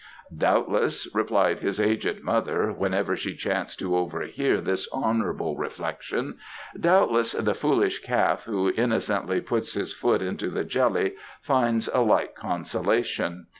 "Doubtless," replied his aged mother, whenever she chanced to overhear this honourable reflection, "doubtless the foolish calf who innocently puts his foot into the jelly finds a like consolation.